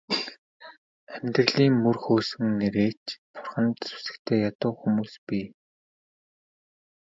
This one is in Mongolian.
Амьдралын мөр хөөсөн нээрээ ч бурханд сүсэгтэй ядуу хүмүүс бий.